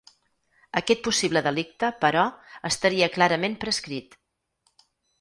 Aquest possible delicte, però, estaria clarament prescrit.